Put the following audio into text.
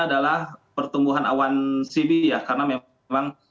adalah pertumbuhan awan sibi ya karena memang kaitannya dengan penyelenggaraan air